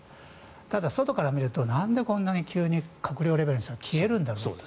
ただ、外から見るとなんでこんなに急に閣僚レベルの人が消えるんだろうと。